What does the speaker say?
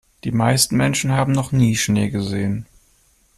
Die meisten Menschen haben noch nie Schnee gesehen.